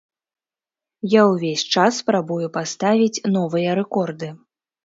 Я ўвесь час спрабую паставіць новыя рэкорды.